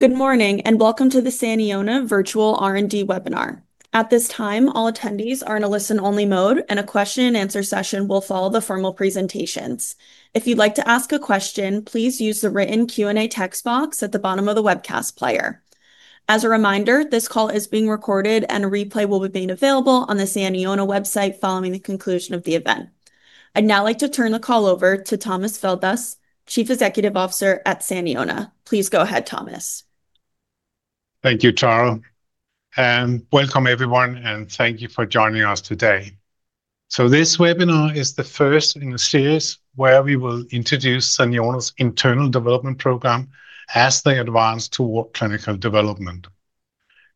Good morning, and welcome to the Saniona Virtual R&D webinar. At this time, all attendees are in a listen-only mode, and a question-and-answer session will follow the formal presentations. If you'd like to ask a question, please use the written Q&A text box at the bottom of the webcast player. As a reminder, this call is being recorded, and a replay will be made available on the Saniona website following the conclusion of the event. I'd now like to turn the call over to Thomas Feldthus, Chief Executive Officer at Saniona. Please go ahead, Thomas. Thank you, Char, and welcome everyone, and thank you for joining us today. This webinar is the first in a series where we will introduce Saniona's internal development program as they advance toward clinical development.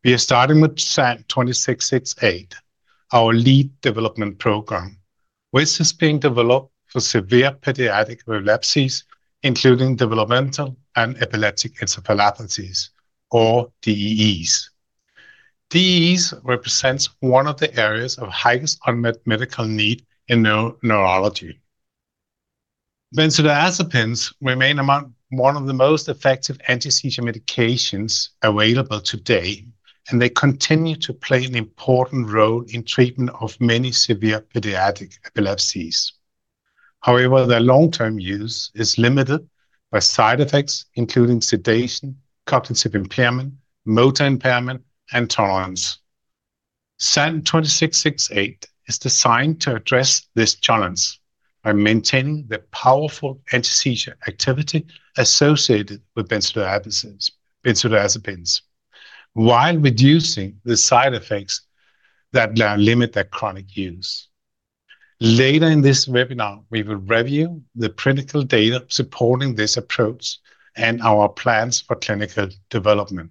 We are starting with SAN2668, our lead development program, which is being developed for severe pediatric epilepsies, including developmental and epileptic encephalopathies, or DEEs. DEEs represents one of the areas of highest unmet medical need in neurology. Benzodiazepines remain among one of the most effective antiseizure medications available today, and they continue to play an important role in treatment of many severe pediatric epilepsies. However, their long-term use is limited by side effects including sedation, cognitive impairment, motor impairment, and tolerance. SAN2668 is designed to address this challenge by maintaining the powerful antiseizure activity associated with benzodiazepines while reducing the side effects that limit their chronic use. Later in this webinar, we will review the clinical data supporting this approach and our plans for clinical development.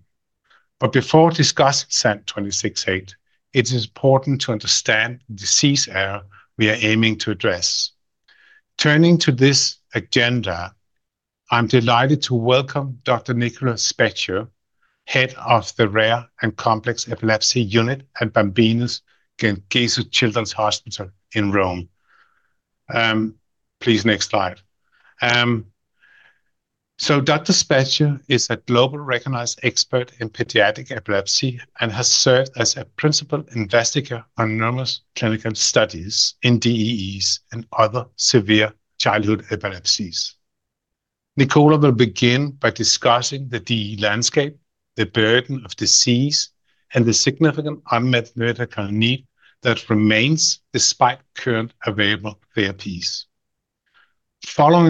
Before discussing SAN2668, it is important to understand the disease area we are aiming to address. Turning to this agenda, I'm delighted to welcome Dr. Nicola Specchio, Head of the Rare and Complex Epilepsy Unit at Bambino Gesù Children's Hospital in Rome. Please, next slide. Dr. Specchio is a global recognized expert in pediatric epilepsy and has served as a principal investigator on numerous clinical studies in DEEs and other severe childhood epilepsies. Following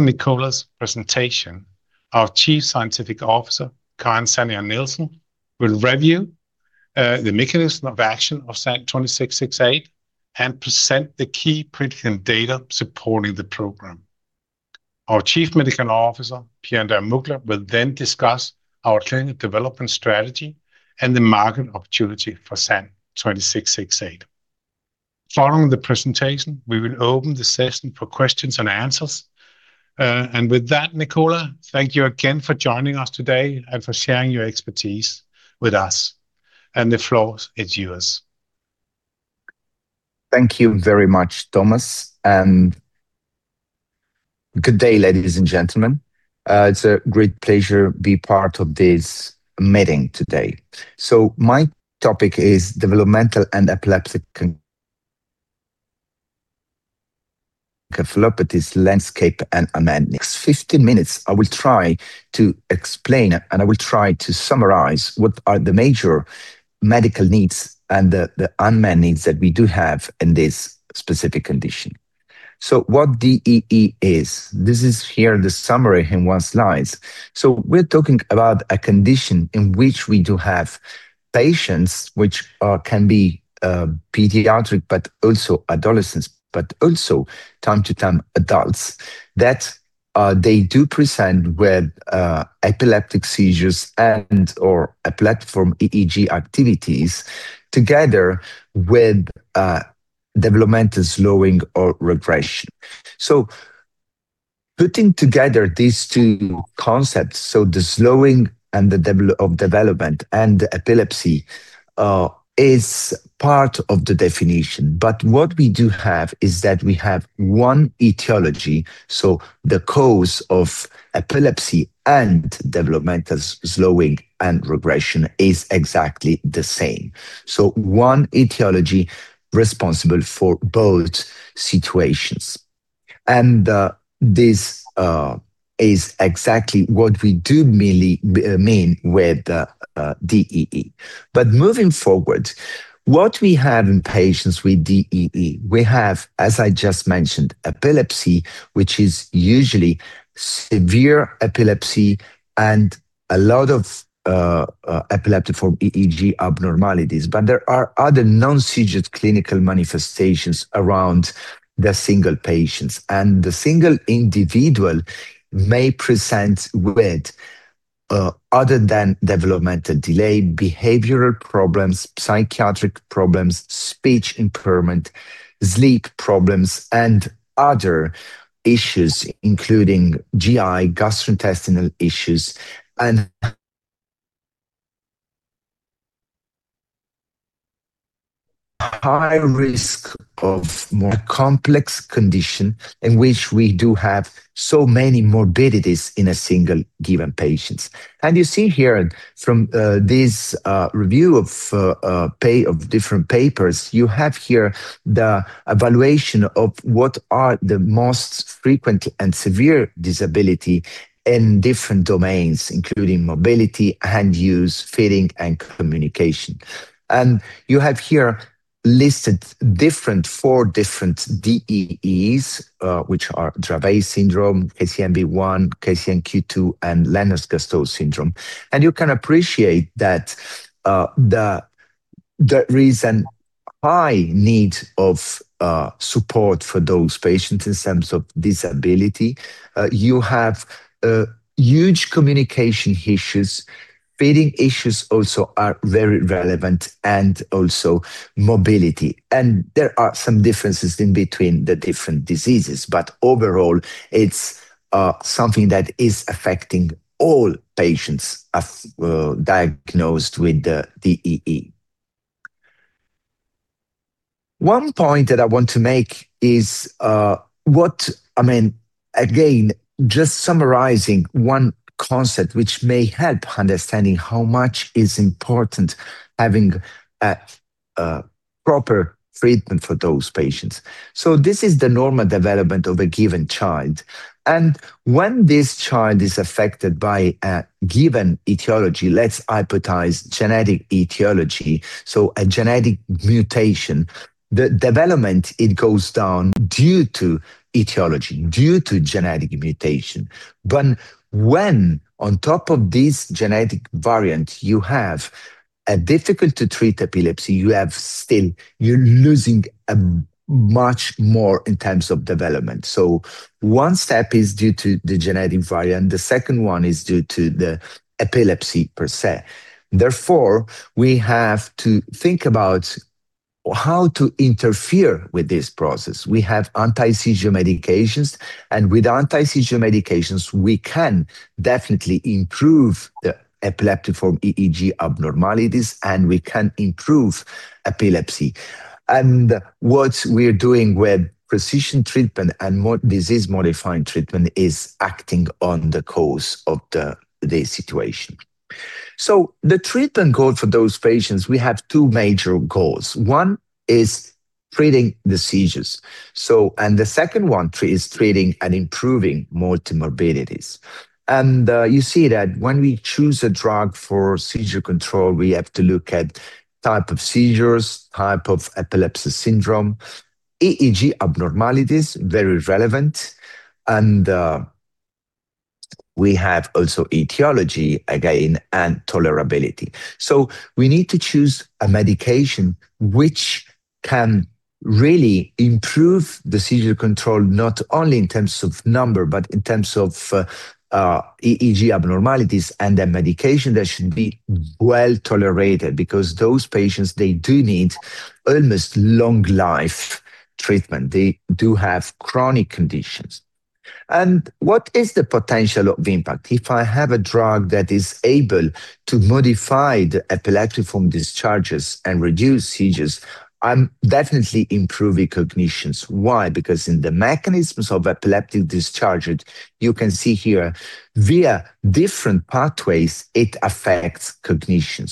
Nicola's presentation, our Chief Scientific Officer, Karin Sandager Nielsen, will review the mechanism of action of SAN2668 and present the key prediction data supporting the program. Our Chief Medical Officer, Pierandrea Muglia, will then discuss our clinical development strategy and the market opportunity for SAN2668. Following the presentation, we will open the session for questions and answers. With that, Nicola, thank you again for joining us today and for sharing your expertise with us. The floor is yours. Thank you very much, Thomas, and good day, ladies and gentlemen. It's a great pleasure be part of this meeting today. My topic is developmental and epileptic encephalopathies landscape and unmet needs. 15 minutes, I will try to explain and I will try to summarize what are the major medical needs and the unmet needs that we do have in this specific condition. What DEE is, this is here the summary in one slide. We're talking about a condition in which we do have patients which can be pediatric, but also adolescents, but also time to time adults, that they do present with epileptic seizures and/or epileptiform EEG activities together with developmental slowing or regression. Putting together these two concepts, so the slowing of development and the epilepsy, is part of the definition. What we do have is that we have one etiology, so the cause of epilepsy and developmental slowing and regression is exactly the same. One etiology responsible for both situations. This is exactly what we do mean with DEE. Moving forward, what we have in patients with DEE, we have, as I just mentioned, epilepsy, which is usually severe epilepsy and a lot of epileptiform EEG abnormalities. There are other non-seizure clinical manifestations around the single patients, and the single individual may present with, other than developmental delay, behavioral problems, psychiatric problems, speech impairment, sleep problems, and other issues, including GI, gastrointestinal issues. High risk of more complex condition in which we do have so many morbidities in a single given patient. You see here from this review of different papers, you have here the evaluation of what are the most frequent and severe disability in different domains, including mobility, hand use, feeding, and communication. You have here listed four different DEEs, which are Dravet syndrome, KCNB1, KCNQ2, and Lennox-Gastaut syndrome. You can appreciate that there is a high need of support for those patients in sense of disability. You have huge communication issues. Feeding issues also are very relevant, and also mobility. There are some differences in between the different diseases. Overall, it's something that is affecting all patients diagnosed with the DEE. One point that I want to make is, again, just summarizing one concept which may help understanding how much is important having a proper treatment for those patients. This is the normal development of a given child. When this child is affected by a given etiology, let's hypothesize genetic etiology, so a genetic mutation, the development, it goes down due to etiology, due to genetic mutation. When, on top of this genetic variant, you have a difficult to treat epilepsy, still, you're losing much more in terms of development. One step is due to the genetic variant, the second one is due to the epilepsy per se. Therefore, we have to think about how to interfere with this process. We have anti-seizure medications, and with anti-seizure medications, we can definitely improve the epileptiform EEG abnormalities, and we can improve epilepsy. What we're doing with precision treatment and disease-modifying treatment is acting on the cause of the situation. The treatment goal for those patients, we have two major goals. One is treating the seizures. The second one is treating and improving multimorbidities. You see that when we choose a drug for seizure control, we have to look at type of seizures, type of epilepsy syndrome, EEG abnormalities, very relevant, we have also etiology, again, and tolerability. We need to choose a medication which can really improve the seizure control, not only in terms of number, but in terms of EEG abnormalities, and a medication that should be well-tolerated because those patients, they do need almost long life treatment. They do have chronic conditions. What is the potential of impact? If I have a drug that is able to modify the epileptiform discharges and reduce seizures, I'm definitely improving cognitions. Why? Because in the mechanisms of epileptic discharges, you can see here, via different pathways, it affects cognition.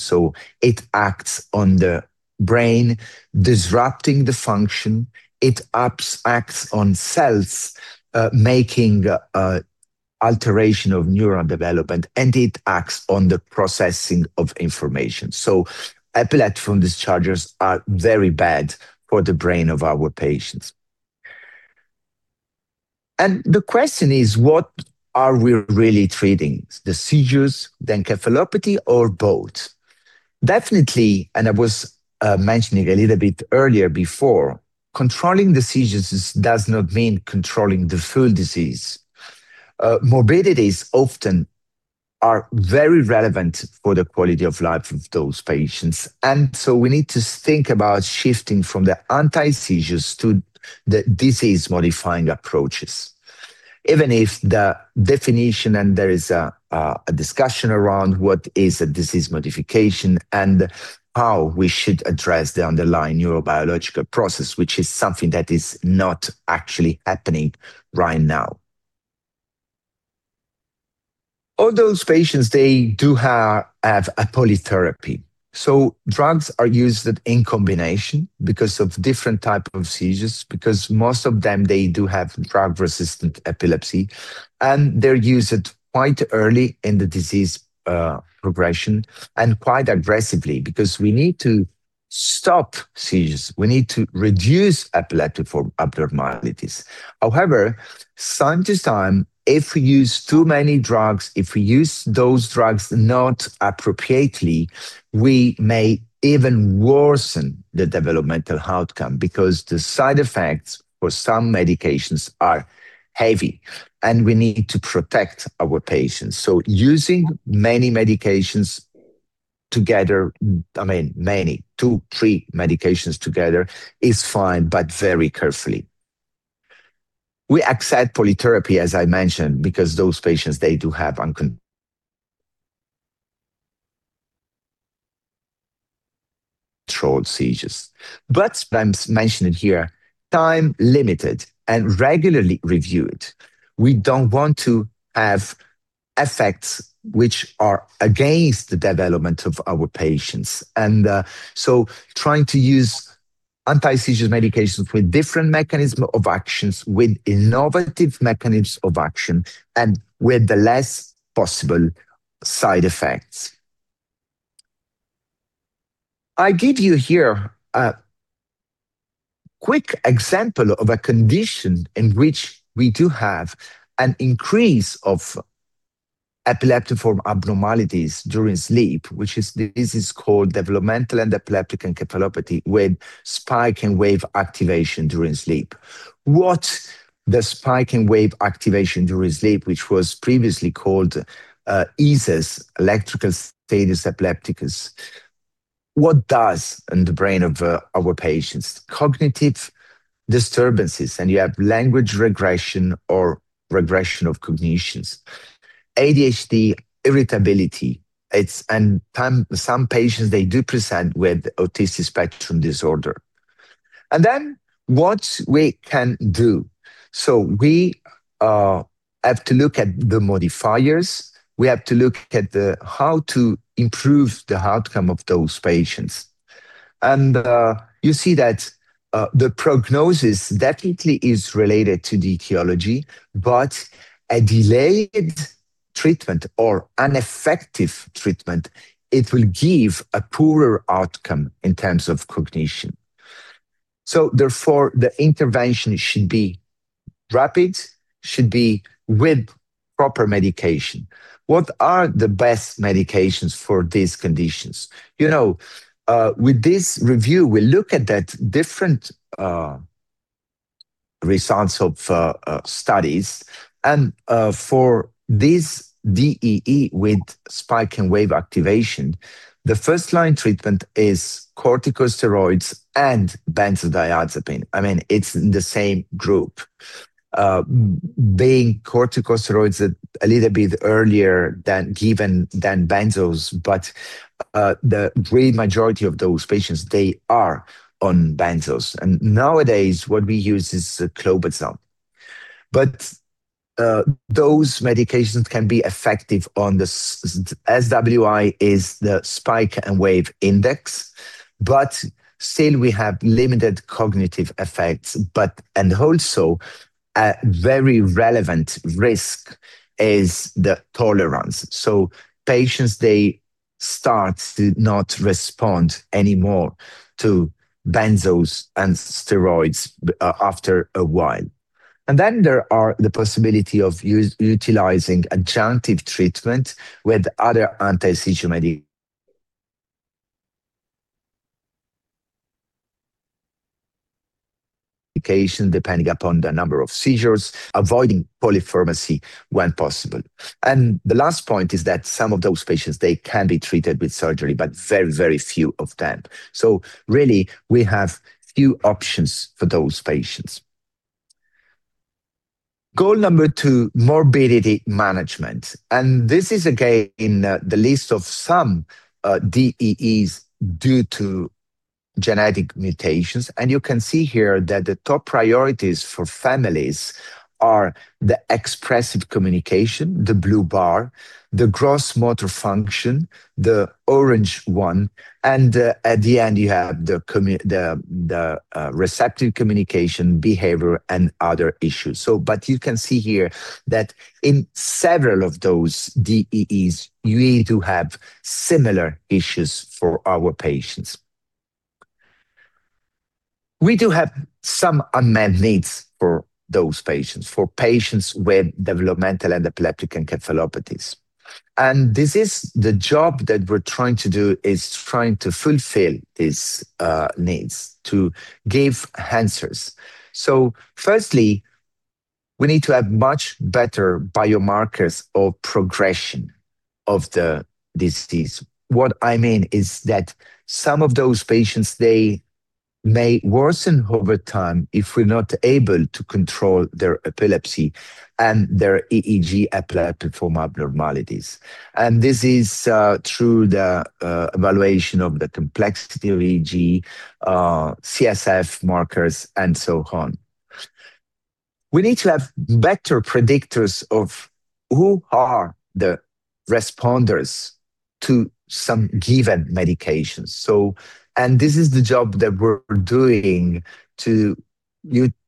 It acts on the brain, disrupting the function, it acts on cells, making alteration of neuron development, and it acts on the processing of information. Epileptiform discharges are very bad for the brain of our patients. The question is: What are we really treating? The seizures, the encephalopathy, or both? Definitely, I was mentioning a little bit earlier before, controlling the seizures does not mean controlling the full disease. Morbidities often are very relevant for the quality of life of those patients. We need to think about shifting from the anti-seizures to the disease-modifying approaches, even if the definition, and there is a discussion around what is a disease modification and how we should address the underlying neurobiological process, which is something that is not actually happening right now. All those patients, they do have a polytherapy. Drugs are used in combination because of different type of seizures, because most of them, they do have drug-resistant epilepsy. They're used quite early in the disease progression and quite aggressively because we need to stop seizures. We need to reduce epileptiform abnormalities. However, time to time, if we use too many drugs, if we use those drugs not appropriately, we may even worsen the developmental outcome because the side effects for some medications are heavy, and we need to protect our patients. Using many medications together, many, two, three medications together, is fine, but very carefully. We accept polytherapy, as I mentioned, because those patients, they do have uncontrolled seizures. I'm mentioning here, time-limited and regularly reviewed. We don't want to have effects which are against the development of our patients. Trying to use anti-seizure medications with different mechanism of actions, with innovative mechanisms of action, and with the less possible side effects. I give you here a quick example of a condition in which we do have an increase of epileptiform abnormalities during sleep, which is, this is called developmental and epileptic encephalopathy with spike-and-wave activation during sleep. What the spike-and-wave activation during sleep, which was previously called ESES, electrical status epilepticus, what does in the brain of our patients? Cognitive disturbances, you have language regression or regression of cognitions. ADHD, irritability. Some patients, they do present with autism spectrum disorder. What we can do? We have to look at the modifiers. We have to look at how to improve the outcome of those patients. You see that the prognosis definitely is related to the etiology, but a delayed treatment or ineffective treatment, it will give a poorer outcome in terms of cognition. Therefore, the intervention should be rapid, should be with proper medication. What are the best medications for these conditions? With this review, we look at the different results of studies. For this DEE with spike in wave activation, the first-line treatment is corticosteroids and benzodiazepine. It's in the same group, being corticosteroids a little bit earlier than given than benzos, but the great majority of those patients, they are on benzos. Nowadays, what we use is clobazam. Those medications can be effective on the SWI is the spike-and-wave index. Still we have limited cognitive effects. Also, a very relevant risk is the tolerance. Patients, they start to not respond anymore to benzos and steroids after a while. Then there are the possibility of utilizing adjunctive treatment with other anti-seizure medication, depending upon the number of seizures, avoiding polypharmacy when possible. The last point is that some of those patients, they can be treated with surgery, but very few of them. Really, we have few options for those patients. Goal number two, morbidity management. This is, again, the list of some DEEs due to genetic mutations. You can see here that the top priorities for families are the expressive communication, the blue bar, the gross motor function, the orange one, and at the end, you have the receptive communication, behavior, and other issues. You can see here that in several of those DEEs, we do have similar issues for our patients. We do have some unmet needs for those patients, for patients with developmental and epileptic encephalopathies. This is the job that we're trying to do, is trying to fulfill these needs, to give answers. Firstly, we need to have much better biomarkers of progression of the disease. What I mean is that some of those patients, they may worsen over time if we're not able to control their epilepsy and their EEG epileptiform abnormalities. This is through the evaluation of the complexity of EEG, CSF markers, and so on. We need to have better predictors of who are the responders to some given medications. This is the job that we're doing to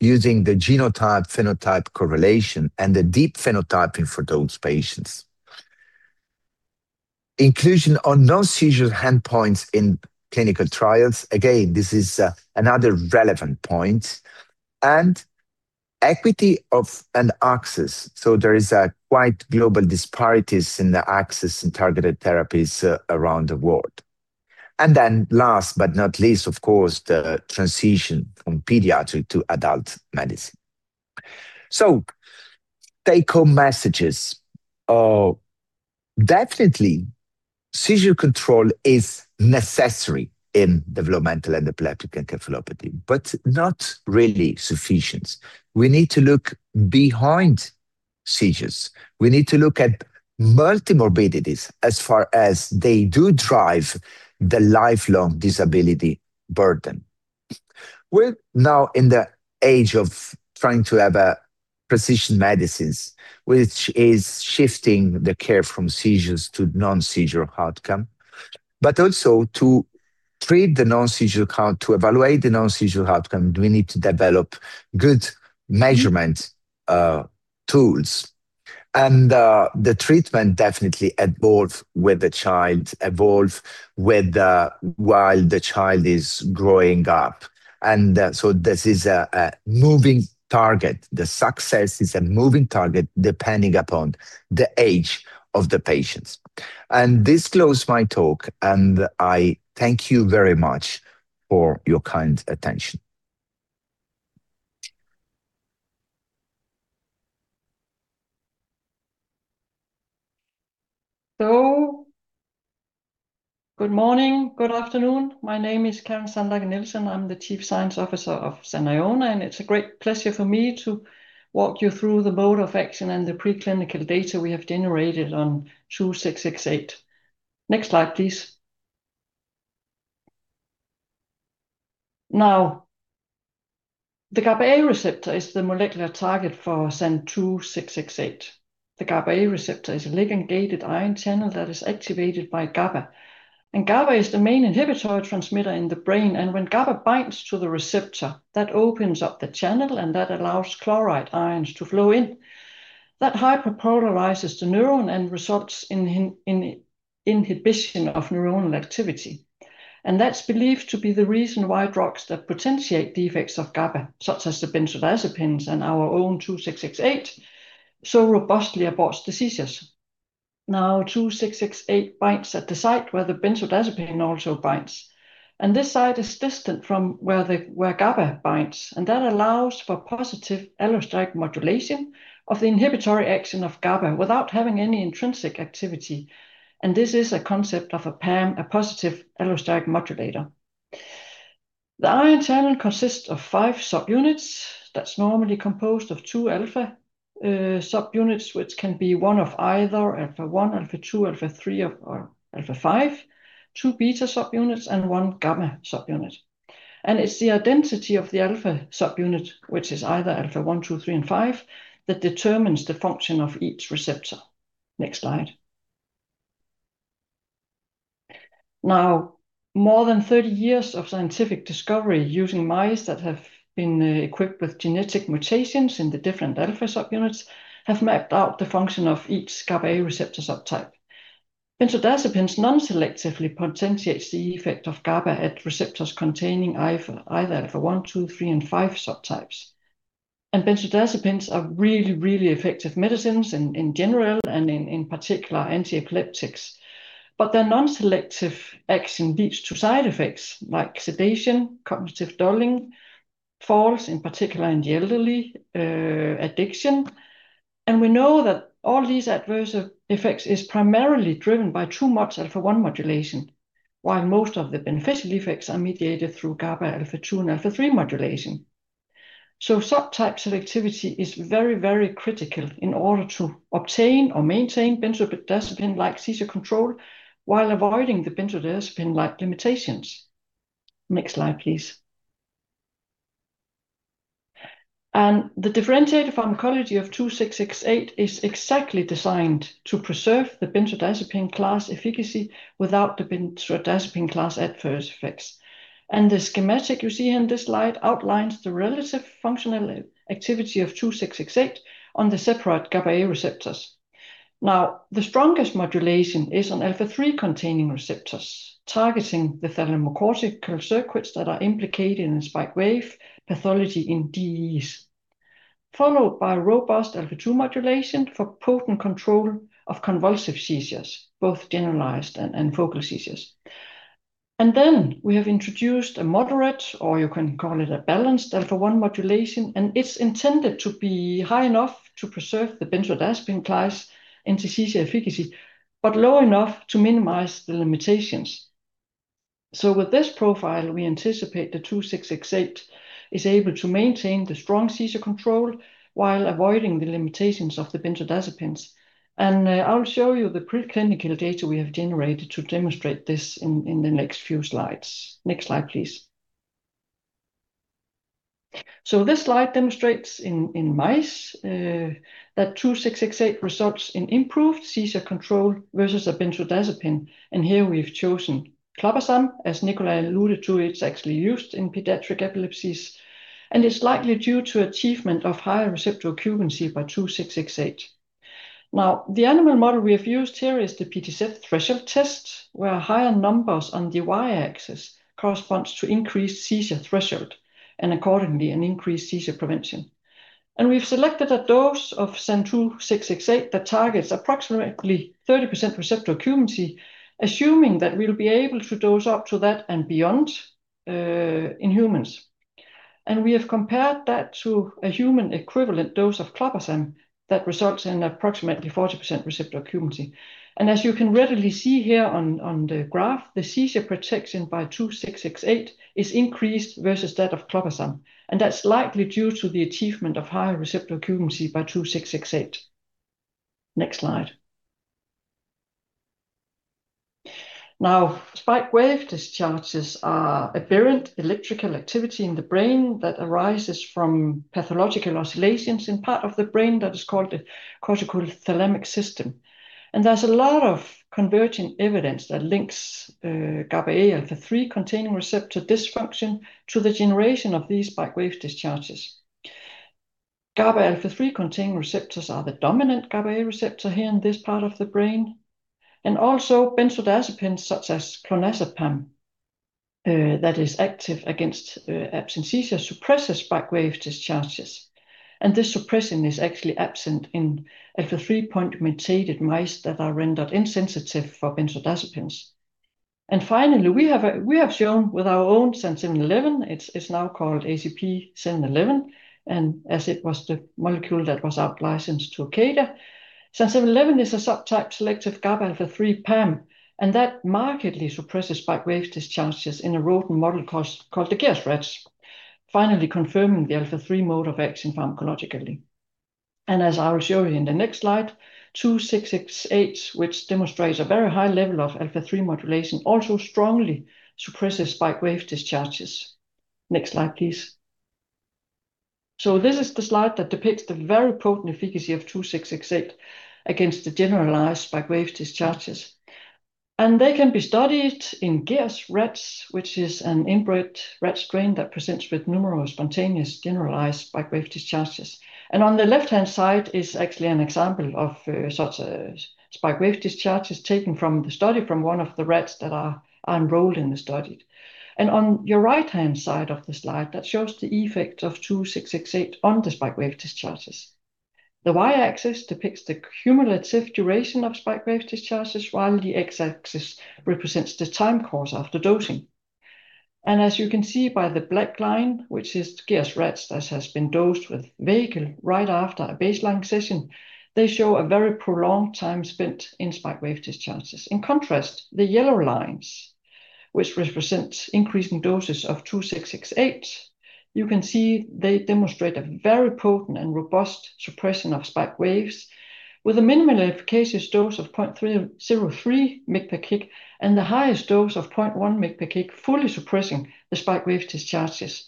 using the genotype-phenotype correlation and the deep phenotyping for those patients. Inclusion on non-seizure endpoints in clinical trials. Again, this is another relevant point. Equity of, and access. There is a quite global disparities in the access in targeted therapies around the world. Last but not least, of course, the transition from pediatric to adult medicine. Take home messages. Definitely, seizure control is necessary in developmental and epileptic encephalopathy, but not really sufficient. We need to look behind seizures. We need to look at multi-morbidities as far as they do drive the lifelong disability burden. We're now in the age of trying to have a precision medicines, which is shifting the care from seizures to non-seizure outcome. Also to treat the non-seizure count, to evaluate the non-seizure outcome, we need to develop good measurement tools. The treatment definitely evolves with the child, evolves while the child is growing up. This is a moving target. The success is a moving target, depending upon the age of the patients. This closes my talk. I thank you very much for your kind attention. Good morning, good afternoon. My name is Karin Sandager Nielsen. I am the Chief Science Officer of Saniona, and it's a great pleasure for me to walk you through the mode of action and the preclinical data we have generated on 2668. Next slide, please. The GABA-A receptor is the molecular target for 2668. The GABA-A receptor is a ligand-gated ion channel that is activated by GABA. GABA is the main inhibitory transmitter in the brain. When GABA binds to the receptor, that opens up the channel, and that allows chloride ions to flow in. That hyperpolarizes the neuron and results in inhibition of neuronal activity. That's believed to be the reason why drugs that potentiate the effects of GABA, such as the benzodiazepines and our own 2668, so robustly abort diseases. 2668 binds at the site where the benzodiazepine also binds, and this site is distant from where GABA binds, and that allows for positive allosteric modulation of the inhibitory action of GABA without having any intrinsic activity. This is a concept of a PAM, a positive allosteric modulator. The ion channel consists of five subunits that's normally composed of two alpha subunits, which can be one of either alpha-1, alpha-2, alpha-3, or alpha-5, two beta subunits, and one gamma subunit. It's the identity of the alpha subunit, which is either alpha-1, alpha-2, alpha-3, and alpha-5, that determines the function of each receptor. Next slide. Benzodiazepines non-selectively potentiate the effect of GABA at receptors containing either alpha-1, alpha-2, alpha-3, and alpha-5 subtypes. Benzodiazepines are really, really effective medicines in general and in particular, antiepileptics. Their non-selective action leads to side effects like sedation, cognitive dulling, falls, in particular in the elderly, addiction. We know that all these adverse effects are primarily driven by too much alpha-1 modulation, while most of the beneficial effects are mediated through GABA alpha-2 and alpha-3 modulation. Subtypes activity is very, very critical in order to obtain or maintain benzodiazepine-like seizure control while avoiding the benzodiazepine-like limitations. Next slide, please. The differentiated pharmacology of 2668 is exactly designed to preserve the benzodiazepine class efficacy without the benzodiazepine class adverse effects. The schematic you see in this slide outlines the relative functional activity of 2668 on the separate GABA-A receptors. The strongest modulation is on alpha-3-containing receptors, targeting the thalamocortical circuits that are implicated in spike wave pathology in DEEs, followed by robust alpha-2 modulation for potent control of convulsive seizures, both generalized and focal seizures. Then we have introduced a moderate, or you can call it a balanced alpha-1 modulation, and it's intended to be high enough to preserve the benzodiazepine class anti-seizure efficacy, but low enough to minimize the limitations. So with this profile, we anticipate the 2668 is able to maintain the strong seizure control while avoiding the limitations of the benzodiazepines. I will show you the preclinical data we have generated to demonstrate this in the next few slides. Next slide, please. This slide demonstrates in mice that 2668 results in improved seizure control versus a benzodiazepine. Here we've chosen clobazam. As Nicola alluded to, it's actually used in pediatric epilepsies, and it's likely due to achievement of higher receptor occupancy by 2668. The animal model we have used here is the PTZ threshold test, where higher numbers on the Y-axis corresponds to increased seizure threshold and accordingly, an increased seizure prevention. We've selected a dose of 2668 that targets approximately 30% receptor occupancy, assuming that we'll be able to dose up to that and beyond in humans. We have compared that to a human equivalent dose of clobazam that results in approximately 40% receptor occupancy. As you can readily see here on the graph, the seizure protection by 2668 is increased versus that of clobazam, and that's likely due to the achievement of higher receptor occupancy by 2668. Next slide. Spike wave discharges are aberrant electrical activity in the brain that arises from pathological oscillations in part of the brain that is called the cortico-thalamic system. There's a lot of converging evidence that links GABA-A alpha-3 containing receptor dysfunction to the generation of these spike wave discharges. GABA alpha-3 containing receptors are the dominant GABA-A receptor here in this part of the brain. Also benzodiazepines such as clonazepam, that is active against absence seizure suppresses spike wave discharges. This suppressing is actually absent in alpha-3 point mutated mice that are rendered insensitive for benzodiazepines. Finally, we have shown with our own SAN711, it's now called ACP-711, and as it was the molecule that was out licensed to Acadia. SAN711 is a subtype selective GABA alpha-3 PAM, and that markedly suppresses spike wave discharges in a rodent model called the GAERS rats, finally confirming the alpha-3 mode of action pharmacologically. As I will show you in the next slide, 2668, which demonstrates a very high level of alpha-3 modulation, also strongly suppresses spike wave discharges. Next slide, please. So this is the slide that depicts the very potent efficacy of 2668 against the generalized spike wave discharges. They can be studied in GAERS rats, which is an inbred rat strain that presents with numerous spontaneous generalized spike wave discharges. On the left-hand side is actually an example of such a spike wave discharges taken from the study from one of the rats that are enrolled in the study. On your right-hand side of the slide, that shows the effect of 2668 on the spike wave discharges. The Y-axis depicts the cumulative duration of spike wave discharges, while the X-axis represents the time course after dosing. As you can see by the black line, which is GAERS rats, that has been dosed with vehicle right after a baseline session, they show a very prolonged time spent in spike wave discharges. In contrast, the yellow lines, which represent increasing doses of 2668, you can see they demonstrate a very potent and robust suppression of spike waves with a minimal efficacious dose of 0.3 mg/kg and the highest dose of 0.1 mg/kg fully suppressing the spike wave discharges.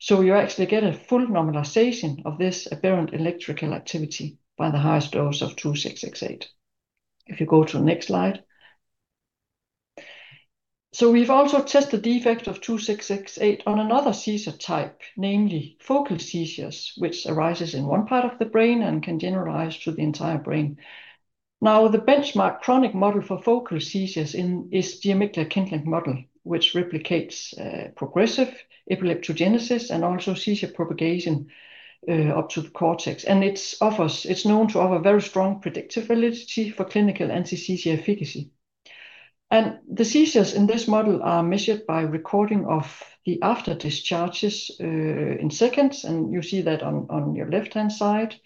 You actually get a full normalization of this aberrant electrical activity by the highest dose of 2668. If you go to the next slide. We've also tested the effect of 2668 on another seizure type, namely focal seizures, which arises in one part of the brain and can generalize to the entire brain. The benchmark chronic model for focal seizures is the amygdala kindling model, which replicates progressive epileptogenesis and also seizure propagation up to the cortex. It's known to have a very strong predictive validity for clinical anti-seizure efficacy. The seizures in this model are measured by recording of the after discharges, in seconds, you see that on your left-hand side.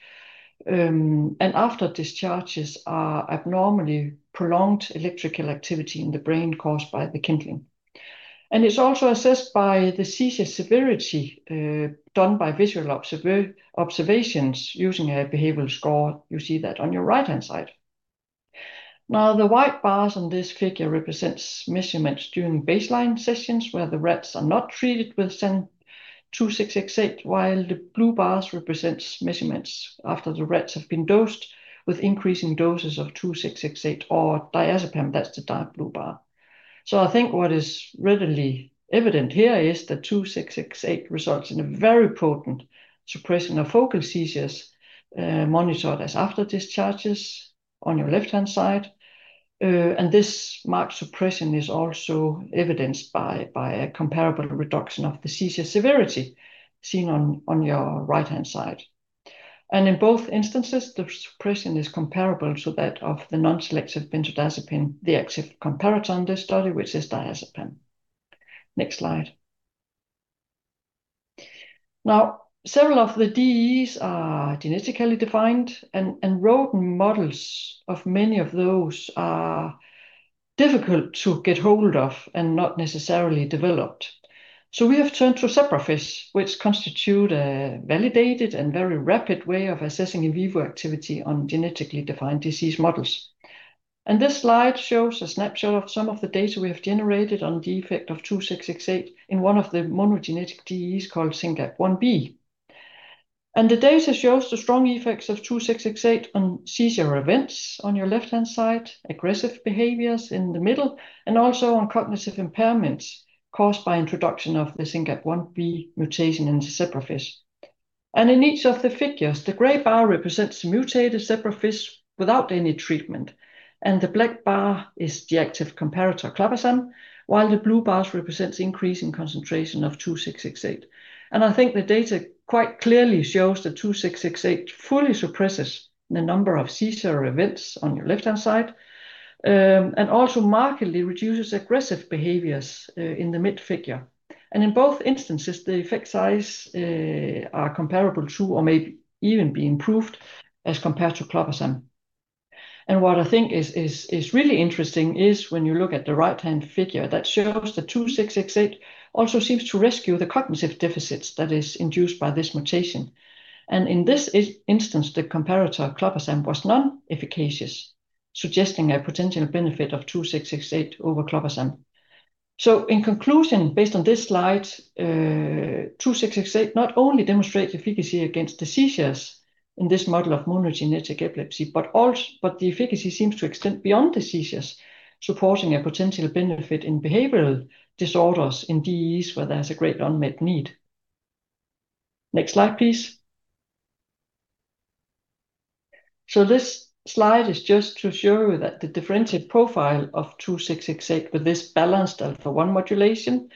After discharges are abnormally prolonged electrical activity in the brain caused by the kindling. It's also assessed by the seizure severity, done by visual observations using a behavioral score. You see that on your right-hand side. The white bars on this figure represents measurements during baseline sessions where the rats are not treated with 2668, while the blue bars represents measurements after the rats have been dosed with increasing doses of 2668 or diazepam, that's the dark blue bar. I think what is readily evident here is that 2668 results in a very potent suppression of focal seizures, monitored as after discharges on your left-hand side. This marked suppression is also evidenced by a comparable reduction of the seizure severity seen on your right-hand side. In both instances, the suppression is comparable to that of the non-selective benzodiazepine, the active comparator in this study, which is diazepam. Next slide. Several of the DEEs are genetically defined, and rodent models of many of those are difficult to get hold of and not necessarily developed. We have turned to zebrafish, which constitute a validated and very rapid way of assessing in vivo activity on genetically defined disease models. This slide shows a snapshot of some of the data we have generated on the effect of 2668 in one of the monogenetic DEEs called syngap1b. The data shows the strong effects of 2668 on seizure events on your left-hand side, aggressive behaviors in the middle, and also on cognitive impairments caused by introduction of the syngap1b mutation in the zebrafish. In each of the figures, the gray bar represents mutated zebrafish without any treatment, and the black bar is the active comparator, clobazam, while the blue bars represents increasing concentration of 2668. I think the data quite clearly shows that 2668 fully suppresses the number of seizure events on your left-hand side, also markedly reduces aggressive behaviors in the mid figure. In both instances, the effect size are comparable to or may even be improved as compared to clobazam. What I think is really interesting is when you look at the right-hand figure that shows the 2668 also seems to rescue the cognitive deficits that is induced by this mutation. In this instance, the comparator clobazam was non-efficacious suggesting a potential benefit of 2668 over clobazam. In conclusion, based on this slide, 2668 not only demonstrates efficacy against the seizures in this model of monogenetic epilepsy, but the efficacy seems to extend beyond the seizures, supporting a potential benefit in behavioral disorders in DEEs where there's a great unmet need. Next slide, please. This slide is just to show you that the differentiated profile of 2668 with this balanced alpha-1 modulation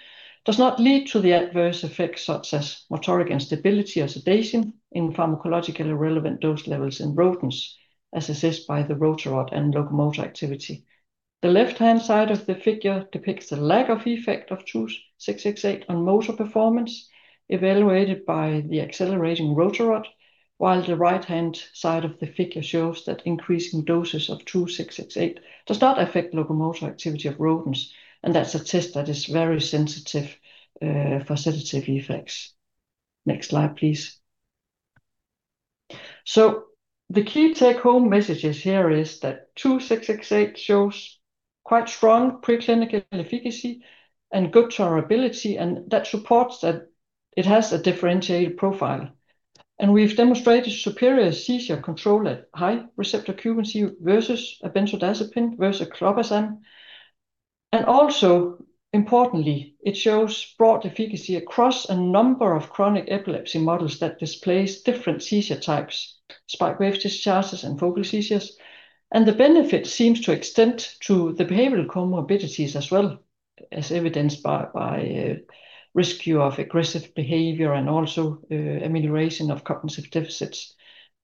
does not lead to the adverse effects such as motoric instability or sedation in pharmacologically relevant dose levels in rodents, as assessed by the rotarod and locomotor activity. The left-hand side of the figure depicts the lack of effect of 2668 on motor performance evaluated by the accelerating rotarod, while the right-hand side of the figure shows that increasing doses of 2668 does not affect locomotor activity of rodents, that's a test that is very sensitive for sedative effects. Next slide, please. The key take-home messages here is that 2668 shows quite strong preclinical efficacy and good tolerability, that supports that it has a differentiated profile. We've demonstrated superior seizure control at high receptor occupancy versus a benzodiazepine versus clobazam. Also importantly, it shows broad efficacy across a number of chronic epilepsy models that displays different seizure types, spike-wave discharges, and focal seizures. The benefit seems to extend to the behavioral comorbidities as well, as evidenced by rescue of aggressive behavior and also amelioration of cognitive deficits.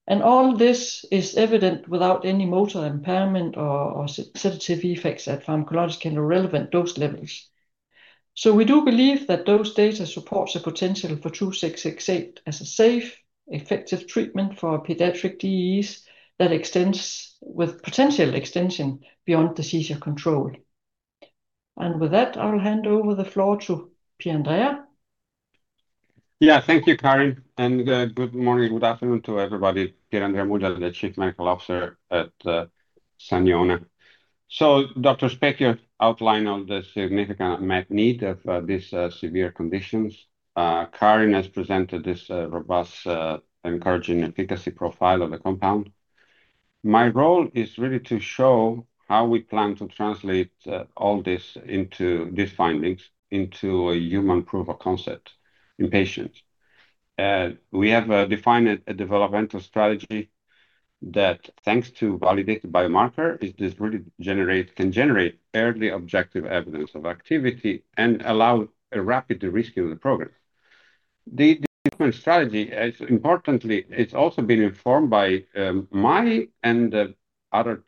All this is evident without any motor impairment or sedative effects at pharmacologically relevant dose levels. We do believe that those data supports a potential for 2668 as a safe, effective treatment for pediatric DEEs that extends with potential extension beyond the seizure control. With that, I'll hand over the floor to Pierandrea. Thank you, Karin, and good morning, good afternoon to everybody. Pierandrea Muglia, the Chief Medical Officer at Saniona. Dr. Specchio here outlined on the significant unmet need of these severe conditions. Karin has presented this robust, encouraging efficacy profile of the compound. My role is really to show how we plan to translate all these findings into a human proof of concept in patients. We have defined a developmental strategy that, thanks to validated biomarker, it can generate fairly objective evidence of activity and allow a rapid de-risking of the program. The different strategy, importantly, it's also been informed by my and other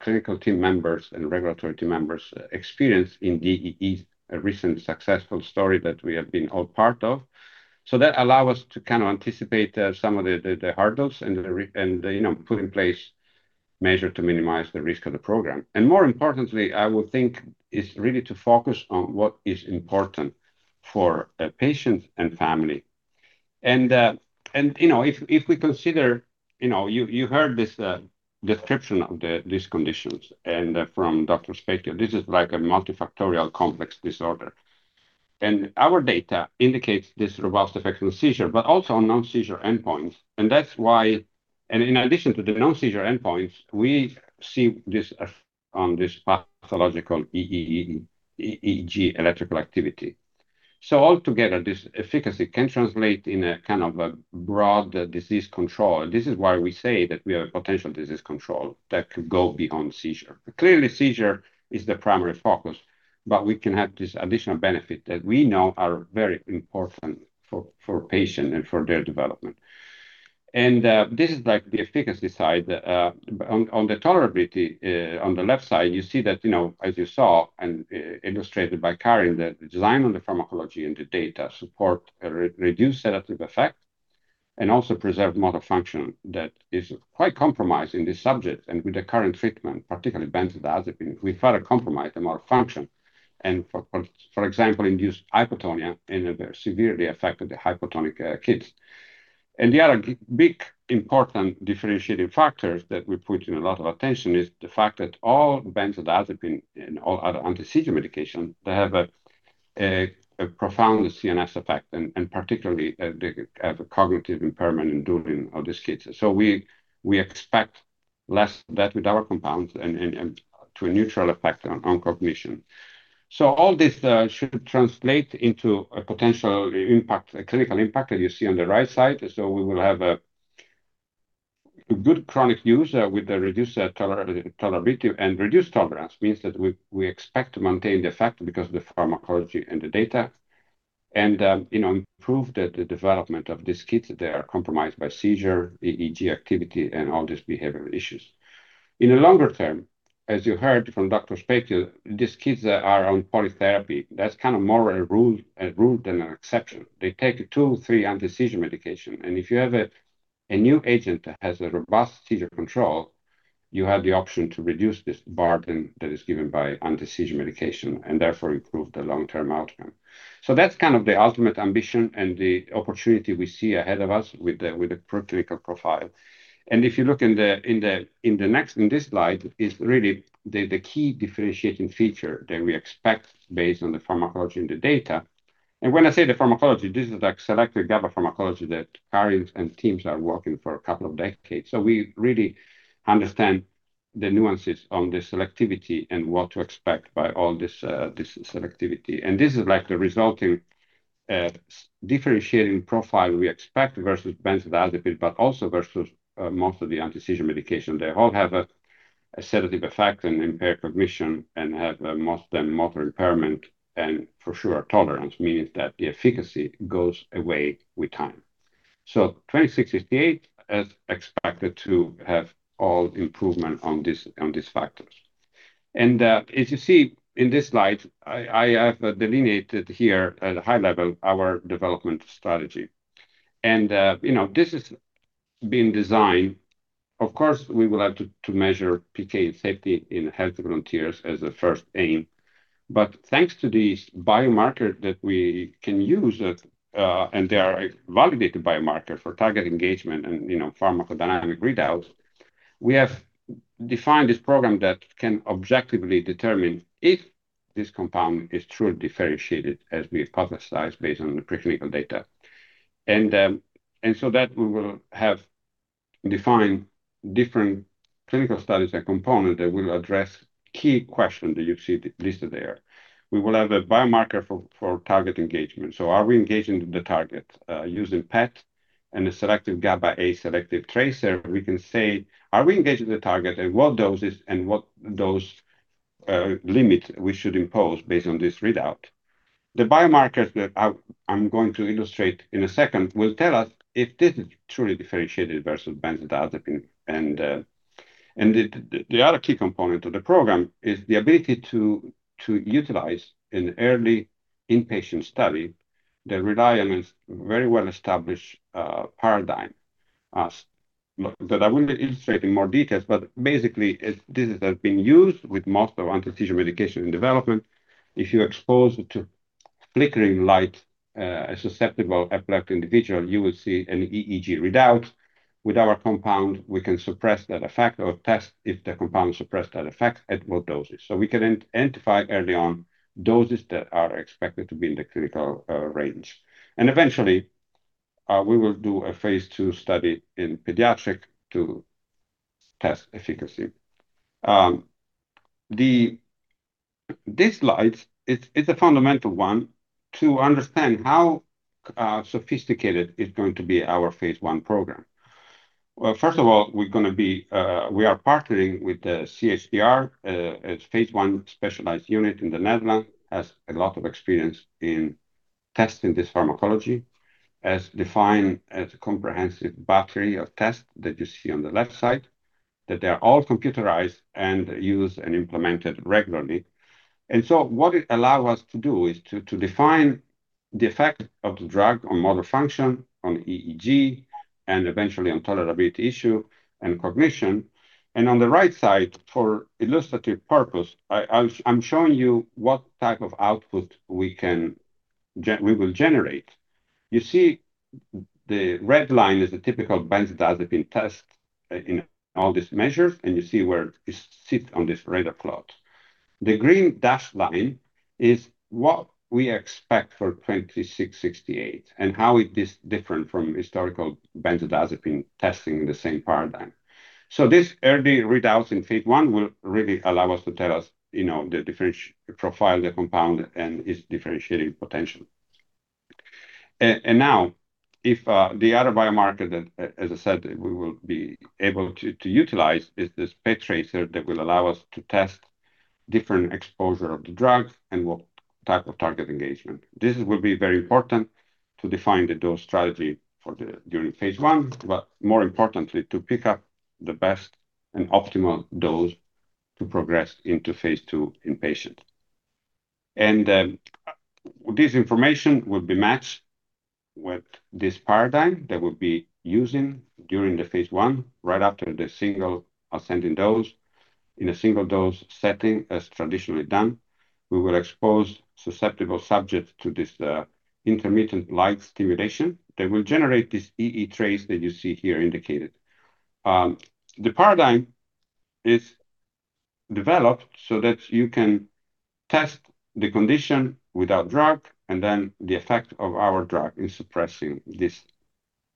clinical team members and regulatory team members' experience in DEEs, a recent successful story that we have been all part of. That allow us to kind of anticipate some of the hard dose and put in place measure to minimize the risk of the program. More importantly, I would think, is really to focus on what is important for a patient and family. If we consider, you heard this description of these conditions and from Dr. Specchio here, this is like a multifactorial complex disorder. Our data indicates this robust effect on seizure, but also on non-seizure endpoints. In addition to the non-seizure endpoints, we see this on this pathological EEG electrical activity. Altogether, this efficacy can translate in a kind of a broad disease control. This is why we say that we have a potential disease control that could go beyond seizure. Clearly, seizure is the primary focus, but we can have this additional benefit that we know are very important for patient and for their development. This is like the efficacy side. On the tolerability, on the left side, you see that, as you saw and illustrated by Karin, that the design on the pharmacology and the data support a reduced sedative effect, and also preserved motor function that is quite compromised in this subject, and with the current treatment, particularly benzodiazepine, we further compromise the motor function. For example, induced hypotonia in severely affected hypotonic kids. The other big important differentiating factors that we put in a lot of attention is the fact that all benzodiazepine and all other anti-seizure medication, they have a profound CNS effect, and particularly, they have a cognitive impairment enduring of these kids. We expect less that with our compounds and to a neutral effect on cognition. All this should translate into a potential clinical impact, as you see on the right side. We will have a good chronic use with the reduced tolerability. Reduced tolerance means that we expect to maintain the effect because of the pharmacology and the data, and improve the development of these kids that are compromised by seizure, EEG activity, and all these behavioral issues. In a longer term, as you heard from Dr. Specchio here, these kids that are on polytherapy, that's kind of more a rule than an exception. They take two, three anti-seizure medication, and if you have a new agent that has a robust seizure control. You have the option to reduce this burden that is given by anti-seizure medication, and therefore improve the long-term outcome. That's the ultimate ambition and the opportunity we see ahead of us with the preclinical profile. If you look in this slide, is really the key differentiating feature that we expect based on the pharmacology in the data. When I say the pharmacology, this is a selective GABA pharmacology that Karin and teams are working for a couple of decades. We really understand the nuances on the selectivity and what to expect by all this selectivity. This is the resulting differentiating profile we expect versus benzodiazepine, but also versus most of the anti-seizure medication. They all have a sedative effect, and impair cognition, and have, most of them, motor impairment, and for sure, tolerance, meaning that the efficacy goes away with time. 2668 is expected to have all improvement on these factors. As you see in this slide, I have delineated here at a high level our development strategy. This has been designed, of course, we will have to measure PK safety in healthy volunteers as a first aim. Thanks to these biomarkers that we can use, and they are a validated biomarker for target engagement and pharmacodynamic readouts, we have defined this program that can objectively determine if this compound is truly differentiated as we hypothesized based on the preclinical data. We will have defined different clinical studies and component that will address key questions that you see listed there. We will have a biomarker for target engagement. Are we engaging the target? Using PET and a selective GABA-A selective tracer, we can say, are we engaging the target, at what doses, and what dose limits we should impose based on this readout? The biomarkers that I'm going to illustrate in a second will tell us if this is truly differentiated versus benzodiazepine. The other key component of the program is the ability to utilize an early inpatient study that rely on a very well-established paradigm that I will illustrate in more details. Basically, this has been used with most of anti-seizure medication in development. If you expose to flickering light a susceptible epileptic individual, you will see an EEG readout. With our compound, we can suppress that effect or test if the compound suppressed that effect, at what doses. We can identify early on doses that are expected to be in the clinical range. Eventually, we will do a phase II study in pediatric to test efficacy. This slide is a fundamental one to understand how sophisticated is going to be our phase I program. First of all, we are partnering with the CHDR, a phase I specialized unit in the Netherlands, has a lot of experience in testing this pharmacology, as defined as a comprehensive battery of tests that you see on the left side, that they are all computerized and used and implemented regularly. What it allows us to do is to define the effect of the drug on motor function, on EEG, and eventually on tolerability issue and cognition. On the right side, for illustrative purpose, I'm showing you what type of output we will generate. You see the red line is the typical benzodiazepine test in all these measures, and you see where it sits on this radar plot. The green dashed line is what we expect for 2668 and how it is different from historical benzodiazepine testing in the same paradigm. This early readouts in phase I will really allow us to tell us the differentiate profile of the compound and its differentiating potential. Now, if the other biomarker that, as I said, we will be able to utilize is this PET tracer that will allow us to test different exposure of the drug and what type of target engagement. This will be very important to define the dose strategy during phase I, but more importantly, to pick up the best and optimal dose to progress into phase II in patients. This information will be matched with this paradigm that we'll be using during the phase I, right after the single ascending dose. In a single dose setting, as traditionally done, we will expose susceptible subjects to this intermittent light stimulation that will generate this EEG trace that you see here indicated. The paradigm is developed so that you can test the condition without drug, and then the effect of our drug in suppressing this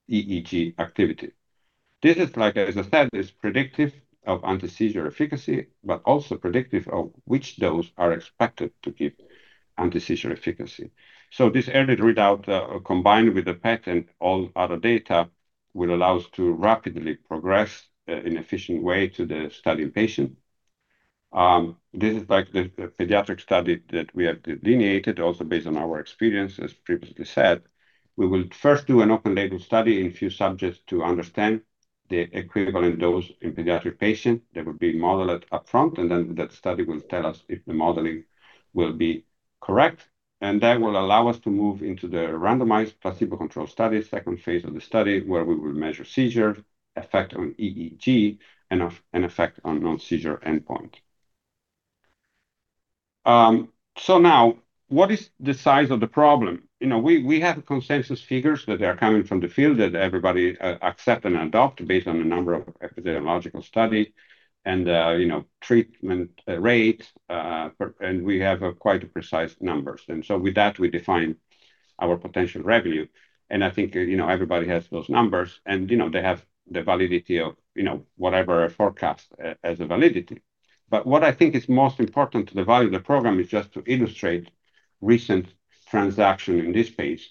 EEG activity. This is, as I said, is predictive of anti-seizure efficacy, but also predictive of which dose are expected to give anti-seizure efficacy. This early readout, combined with the PET and all other data, will allow us to rapidly progress in efficient way to the study in patient. This is the pediatric study that we have delineated also based on our experience, as previously said. We will first do an open-label study in few subjects to understand the equivalent dose in pediatric patients that will be modeled up front, and then that study will tell us if the modeling will be correct. That will allow us to move into the randomized placebo-controlled study, phase II of the study, where we will measure seizure effect on EEG and effect on non-seizure endpoint. What is the size of the problem? We have consensus figures that are coming from the field that everybody accept and adopt based on a number of epidemiological study and treatment rate, and we have quite precise numbers. With that, we define our potential revenue. I think everybody has those numbers, and they have the validity of whatever forecast as a validity. What I think is most important to the value of the program is just to illustrate recent transaction in this phase,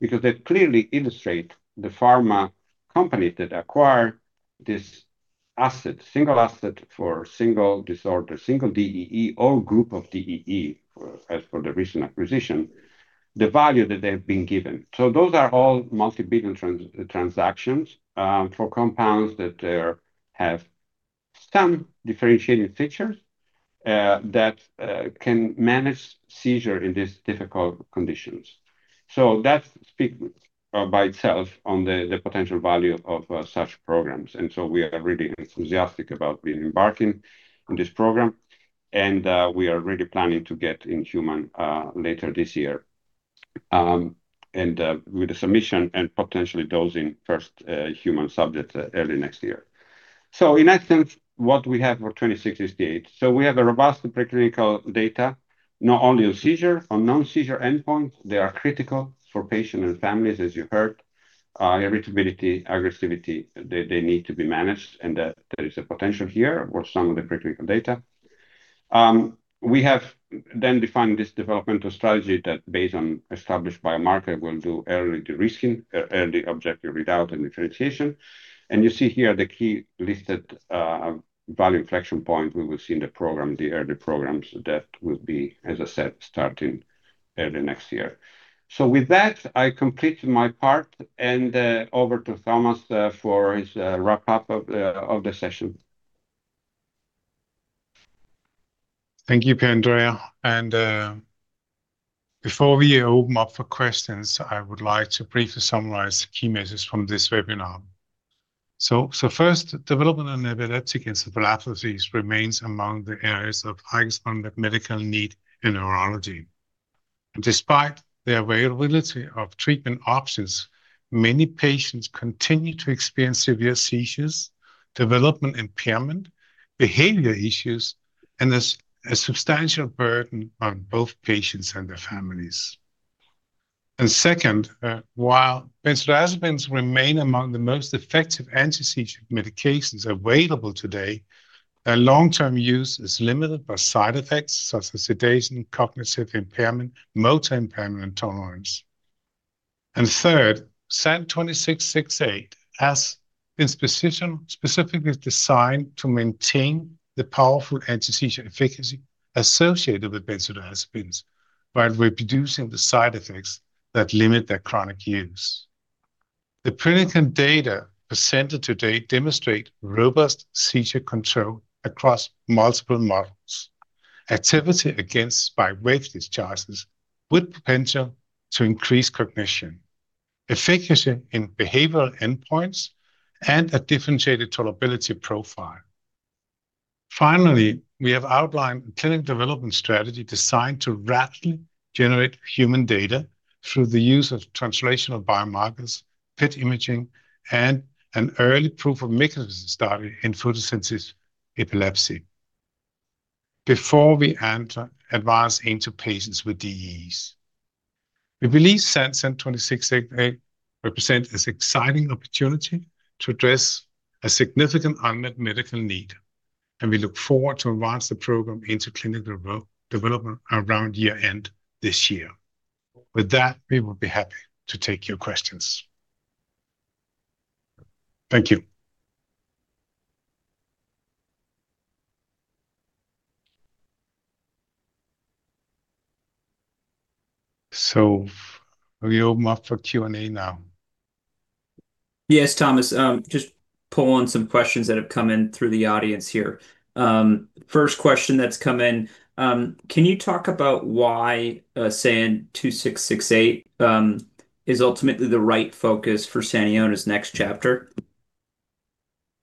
because they clearly illustrate the pharma companies that acquired this single asset for single disorder, single DEE, or group of DEE, as for the recent acquisition, the value that they've been given. Those are all multi-billion transactions for compounds that have some differentiating features that can manage seizure in these difficult conditions. That speaks by itself on the potential value of such programs. We are really enthusiastic about embarking on this program, we are really planning to get in human later this year, with the submission and potentially dosing first human subject early next year. In that sense, what we have for 2668. We have a robust preclinical data, not only on seizure, on non-seizure endpoint. They are critical for patient and families, as you heard. Irritability, aggressivity, they need to be managed, and there is a potential here for some of the preclinical data. We have then defined this developmental strategy that based on established biomarker will do early de-risking, early objective readout and differentiation. You see here the key listed value inflection point we will see in the program, the early programs that will be, as I said, starting early next year. With that, I complete my part, over to Thomas for his wrap-up of the session. Thank you, Pierandrea. Before we open up for questions, I would like to briefly summarize key messages from this webinar. First, development in epileptic encephalopathies remains among the areas of highest unmet medical need in neurology. Despite the availability of treatment options, many patients continue to experience severe seizures, development impairment, behavior issues, and there's a substantial burden on both patients and their families. Second, while benzodiazepines remain among the most effective antiseizure medications available today, their long-term use is limited by side effects such as sedation, cognitive impairment, motor impairment, and tolerance. Third, SAN2668 has been specifically designed to maintain the powerful antiseizure efficacy associated with benzodiazepines while reducing the side effects that limit their chronic use. The preclinical data presented today demonstrate robust seizure control across multiple models, activity against spike-wave discharges with potential to increase cognition, efficacy in behavioral endpoints, and a differentiated tolerability profile. Finally, we have outlined a clinical development strategy designed to rapidly generate human data through the use of translational biomarkers, PET imaging, and an early proof of mechanism study in photosensitive epilepsy. Before we advance into patients with DEEs, we believe SAN2668 represents this exciting opportunity to address a significant unmet medical need, and we look forward to advance the program into clinical development around year-end this year. With that, we will be happy to take your questions. Thank you. We open up for Q&A now. Yes, Thomas. Just pull on some questions that have come in through the audience here. First question that's come in, can you talk about why SAN2668 is ultimately the right focus for Saniona's next chapter?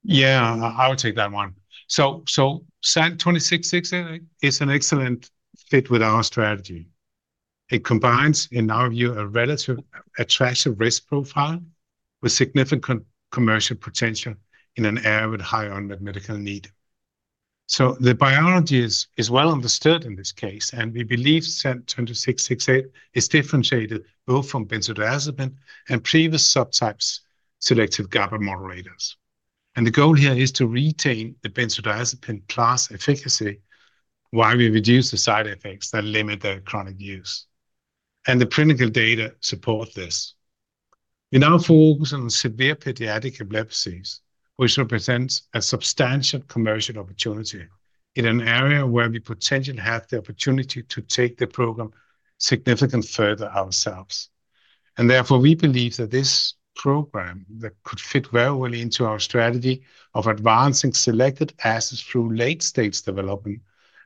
Yeah, I would take that one. SAN2668 is an excellent fit with our strategy. It combines, in our view, a relative attractive risk profile with significant commercial potential in an area with high unmet medical need. The biology is well understood in this case, and we believe SAN2668 is differentiated both from benzodiazepine and previous subtypes selective GABA moderators. The goal here is to retain the benzodiazepine class efficacy while we reduce the side effects that limit the chronic use. The clinical data support this. We now focus on severe pediatric epilepsies, which represents a substantial commercial opportunity in an area where we potentially have the opportunity to take the program significant further ourselves. Therefore, we believe that this program that could fit very well into our strategy of advancing selected assets through late-stage development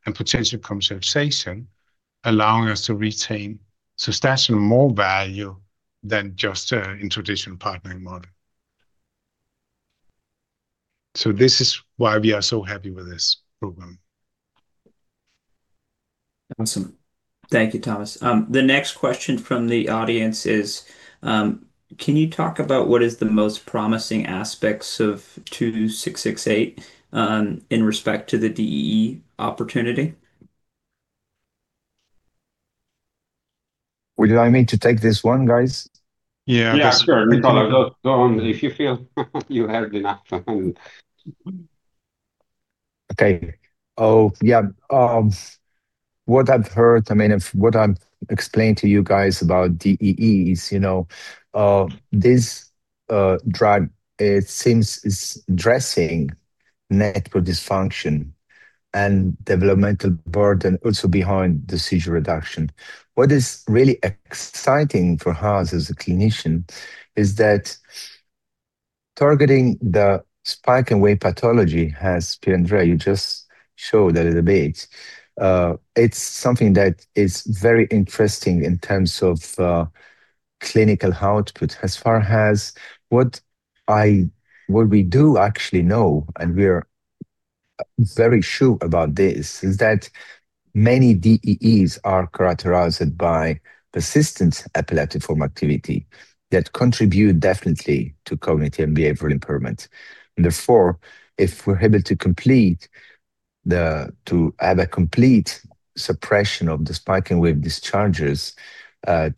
and potential commercialization allowing us to retain substantially more value than just in traditional partnering model. This is why we are so happy with this program. Awesome. Thank you, Thomas. The next question from the audience is, can you talk about what is the most promising aspects of 2668, in respect to the DEE opportunity? Would you like me to take this one, guys? Yeah. Yeah, sure. Nicola go on, if you feel you had enough then. Okay. Yeah. What I've explained to you guys about DEE is, this drug, it seems is addressing network dysfunction and developmental burden also behind the seizure reduction. What is really exciting for us as a clinician is that targeting the spike in wave pathology, as Pierandrea just showed a little bit, it's something that is very interesting in terms of clinical output. As far as what we do actually know, and we're very sure about this, is that many DEEs are characterized by persistent epileptic form activity that contribute definitely to cognitive and behavioral impairment. Therefore, if we're able to have a complete suppression of the spike in wave discharges,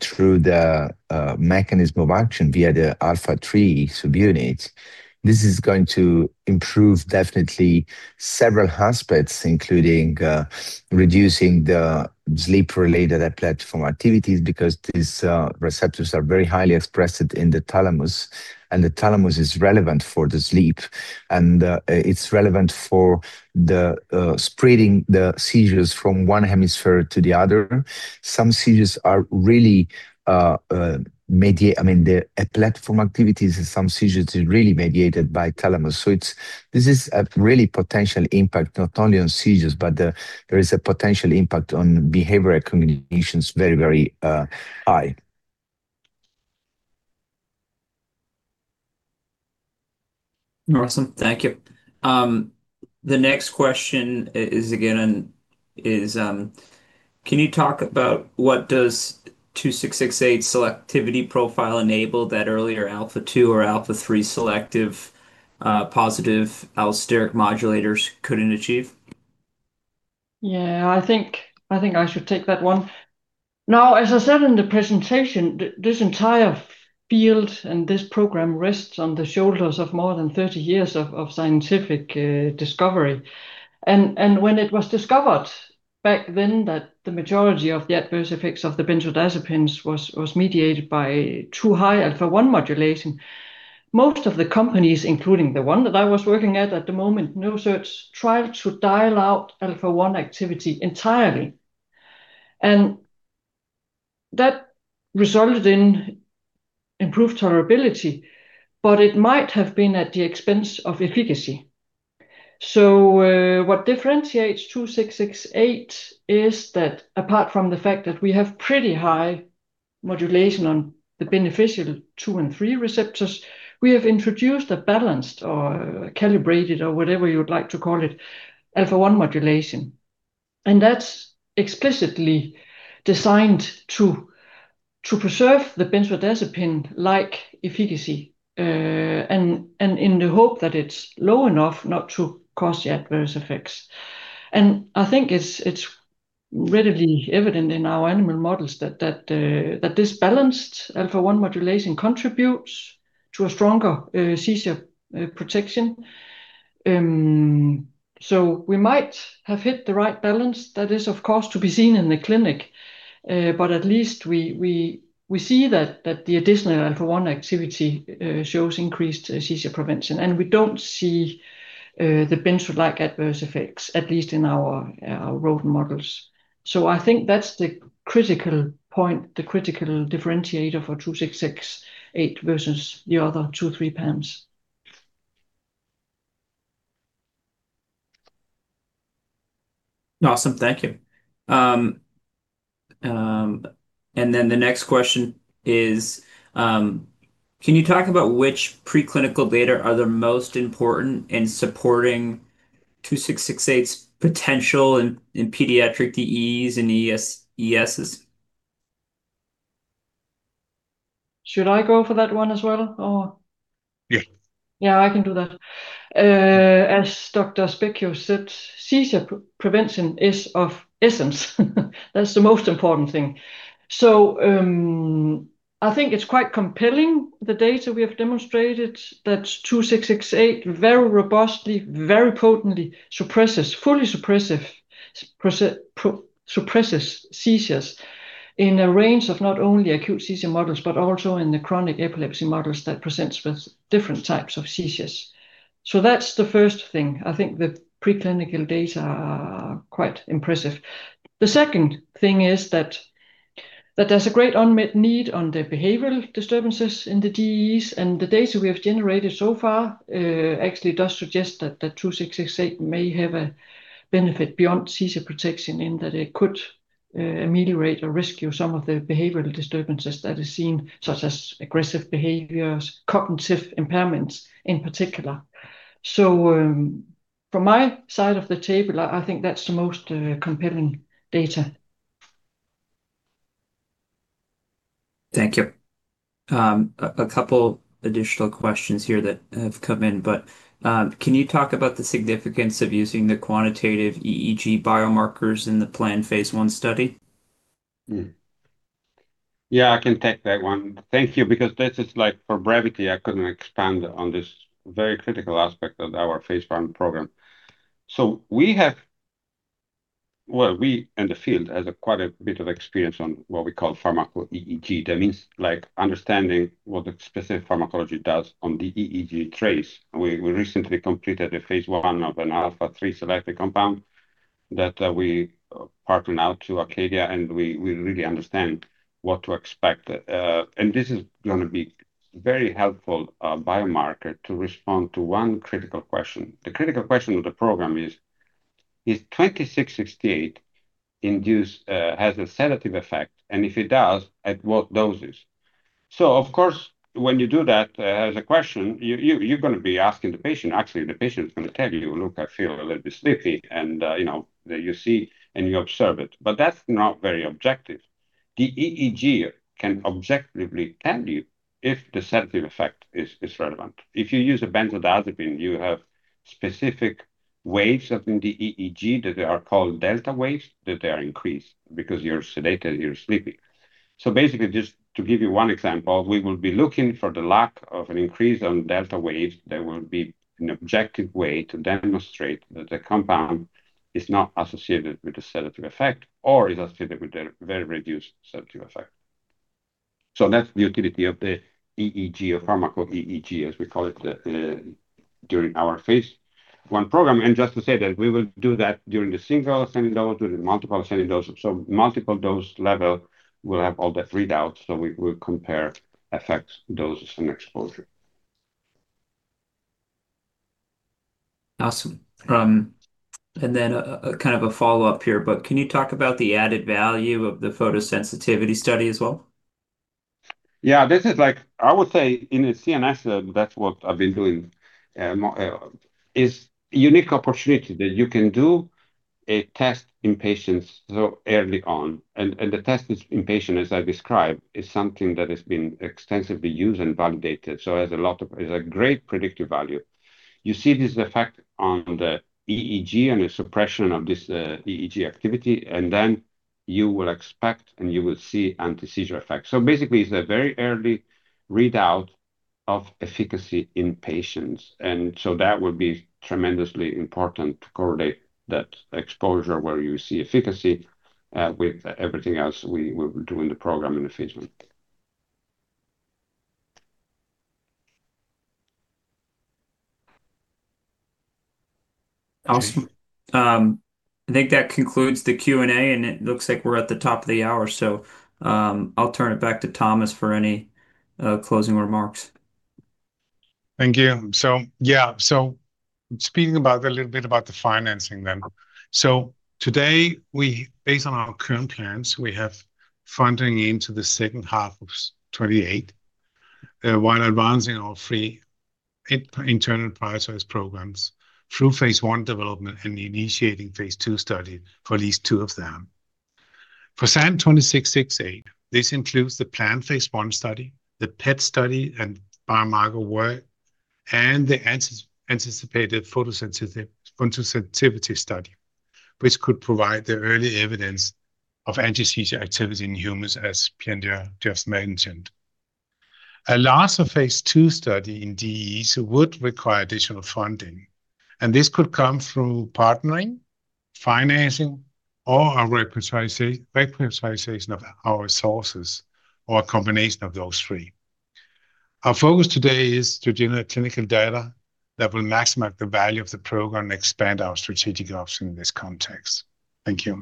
through the mechanism of action via the alpha-3 subunit, this is going to improve definitely several aspects, including reducing the sleep-related epileptic form activities, because these receptors are very highly expressed in the thalamus, and the thalamus is relevant for the sleep. It's relevant for the spreading the seizures from one hemisphere to the other. The epileptic form activities in some seizures are really mediated by thalamus. This is a really potential impact not only on seizures, but there is a potential impact on behavioral communications very high. Awesome. Thank you. The next question is, can you talk about what does 2668 selectivity profile enable that earlier alpha-2 or alpha-3 selective positive allosteric modulators couldn't achieve? Yeah, I think I should take that one. As I said in the presentation, this entire field and this program rests on the shoulders of more than 30 years of scientific discovery. When it was discovered back then that the majority of the adverse effects of the benzodiazepines was mediated by too high alpha-1 modulating, most of the companies, including the one that I was working at at the moment, NeuroSearch, tried to dial out alpha-1 activity entirely, that resulted in improved tolerability, but it might have been at the expense of efficacy. What differentiates 2668 is that apart from the fact that we have pretty high modulation on the beneficial alpha-2 and alpha-3 receptors, we have introduced a balanced, or calibrated, or whatever you would like to call it, alpha-1 modulation. That's explicitly designed to preserve the benzodiazepine-like efficacy, in the hope that it's low enough not to cause the adverse effects. I think it's readily evident in our animal models that this balanced alpha-1 modulation contributes to a stronger seizure protection. We might have hit the right balance. That is, of course, to be seen in the clinic. At least we see that the additional alpha-1 activity shows increased seizure prevention. We don't see the benzo-like adverse effects, at least in our rodent models. I think that's the critical point, the critical differentiator for 2668 versus the other two, three PAMs. Awesome. Thank you. The next question is, can you talk about which preclinical data are the most important in supporting 2668's potential in pediatric DEEs and ESES? Should I go for that one as well, or? Yeah. Yeah, I can do that. As Dr. Specchio said, seizure prevention is of essence. That's the most important thing. I think it's quite compelling, the data we have demonstrated, that 2668 very robustly, very potently suppresses, fully suppresses seizures in a range of not only acute seizure models, but also in the chronic epilepsy models that presents with different types of seizures. That's the first thing. I think the preclinical data are quite impressive. The second thing is that there's a great unmet need on the behavioral disturbances in the DEEs. The data we have generated so far actually does suggest that the 2668 may have a benefit beyond seizure protection in that it could ameliorate or rescue some of the behavioral disturbances that are seen, such as aggressive behaviors, cognitive impairments in particular. From my side of the table, I think that's the most compelling data. Thank you. A couple additional questions here that have come in, Can you talk about the significance of using the quantitative EEG biomarkers in the planned phase I study? Yeah, I can take that one. Thank you, because this is like for brevity, I couldn't expand on this very critical aspect of our phase I program. We in the field has quite a bit of experience on what we call pharmaco-EEG. That means understanding what the specific pharmacology does on the EEG trace. We recently completed a phase I of an alpha-3 selective compound that we partnered out to Acadia, We really understand what to expect. This is going to be very helpful biomarker to respond to one critical question. The critical question of the program is: Is 2668 has a sedative effect, and if it does, at what doses? Of course, when you do that as a question, you're going to be asking the patient. Actually, the patient's going to tell you, look, I feel a little bit sleepy, and that you see and you observe it. That's not very objective. The EEG can objectively tell you if the sedative effect is relevant. If you use a benzodiazepine, you have specific waves in the EEG that are called delta waves that are increased because you're sedated, you're sleepy. Basically, just to give you one example, we will be looking for the lack of an increase on delta waves that will be an objective way to demonstrate that the compound is not associated with the sedative effect or is associated with a very reduced sedative effect. That's the utility of the EEG, or pharmaco-EEG, as we call it, during our phase I program. Just to say that we will do that during the single ascending dose, during multiple ascending doses. Multiple dose level will have all the readouts. We will compare effects, doses, and exposure. Awesome. A follow-up here, can you talk about the added value of the photosensitivity study as well? Yeah. This is like, I would say in the CNS, that's what I've been doing, is unique opportunity that you can do a test in patients so early on. The test in patients, as I described, is something that has been extensively used and validated, so has a great predictive value. You see this effect on the EEG and the suppression of this EEG activity, you will expect, and you will see anti-seizure effect. Basically, it's a very early readout of efficacy in patients, that will be tremendously important to correlate that exposure where you see efficacy with everything else we will do in the program in the phase I. Awesome. I think that concludes the Q&A, and it looks like we're at the top of the hour, so I'll turn it back to Thomas for any closing remarks. Thank you. Speaking a little bit about the financing then. Today, based on our current plans, we have funding into the second half of 2028, while advancing our three internal prioritized programs through phase I development and initiating phase II study for at least two of them. For SAN2668, this includes the planned phase I study, the PET study and biomarker work, and the anticipated photosensitivity study, which could provide the early evidence of anti-seizure activity in humans, as Pierandrea just mentioned. A larger phase II study in DEEs would require additional funding, and this could come through partnering, financing or a prioritization of our resources, or a combination of those three. Our focus today is to generate clinical data that will maximize the value of the program and expand our strategic options in this context. Thank you.